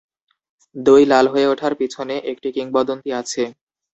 দই লাল হয়ে ওঠার পিছনে একটি কিংবদন্তি আছে।